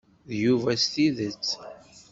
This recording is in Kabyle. D Yuba s tidet?